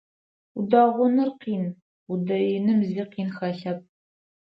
Удэгъуныр къин, удэиным зи къин хэлъэп.